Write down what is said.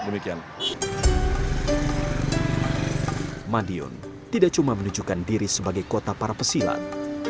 madiun tidak cuma menunjukkan diri sebagai kota para pesilat